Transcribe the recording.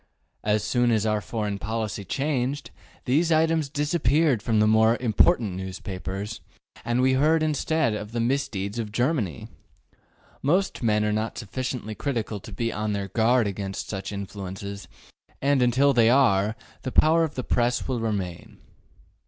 As soon as our foreign policy changed, these items disappeared from the more important newspapers, and we heard instead of the misdeeds of Germany. Most men are not sufficiently critical to be on their guard against such influences, and until they are, the power of the Press will remain.